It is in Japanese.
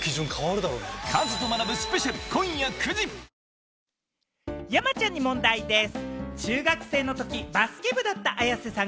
「ビオレ」山ちゃんに問題でぃす。